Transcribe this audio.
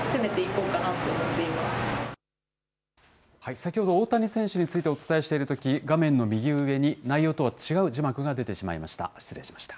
先ほど、大谷選手についてお伝えしているとき、画面の右上に、内容とは違う字幕が出てしまいました。